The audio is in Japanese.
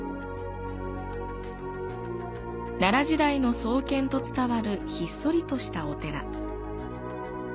奈良時代の創建と伝わるひっそりとしたお寺。